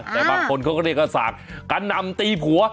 แต่บางคนเขาก็เรียกว่าสากกระหน่ำตีผัว